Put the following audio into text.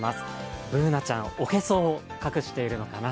Ｂｏｏｎａちゃん、おへそを隠しているのかな。